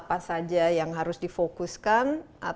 apa saja yang harus difokuskan